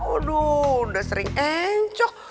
aduh udah sering encok